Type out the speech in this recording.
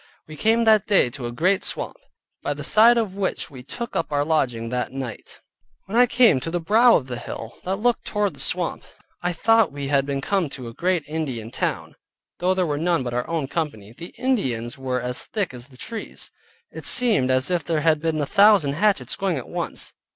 We came that day to a great swamp, by the side of which we took up our lodging that night. When I came to the brow of the hill, that looked toward the swamp, I thought we had been come to a great Indian town (though there were none but our own company). The Indians were as thick as the trees: it seemed as if there had been a thousand hatchets going at once.